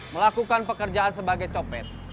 melakukan pekerjaan sebagai copet